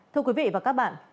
thưa quý vị và các bạn